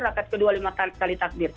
rakyat kedua lima kali takdir